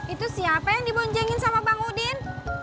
itu siapa yang diboncengin sama bang udin